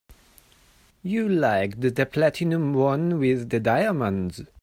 You liked the platinum one with the diamonds.